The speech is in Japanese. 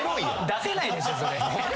出せないでしょそれ。